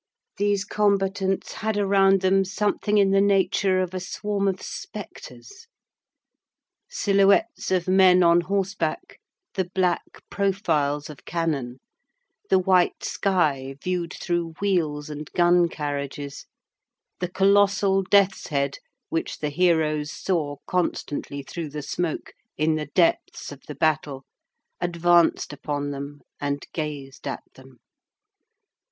These combatants had around them something in the nature of a swarm of spectres, silhouettes of men on horseback, the black profiles of cannon, the white sky viewed through wheels and gun carriages, the colossal death's head, which the heroes saw constantly through the smoke, in the depths of the battle, advanced upon them and gazed at them.